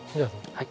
はい。